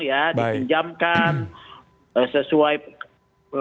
dikenjamkan sesuai pemilikan namanya